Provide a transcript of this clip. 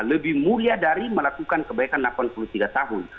lebih mulia dari melakukan kebaikan delapan puluh tiga tahun